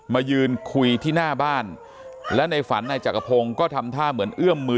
มายืนคุยที่หน้าบ้านและในฝันนายจักรพงศ์ก็ทำท่าเหมือนเอื้อมมือ